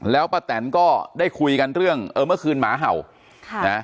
แล้วป้าแตนก็ได้คุยกันเรื่องเออเมื่อคืนหมาเห่าค่ะนะ